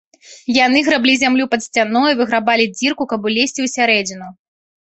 Яны граблі зямлю пад сцяной, выграбалі дзірку, каб улезці ў сярэдзіну.